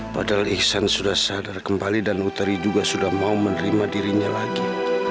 padahal ihsan sudah sadar kembali dan utari juga sudah mau menerima dirinya lagi